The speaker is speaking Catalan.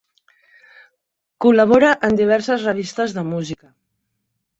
Col·labora en diverses revistes de música.